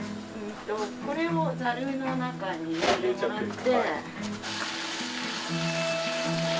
これをざるの中に入れてもらって。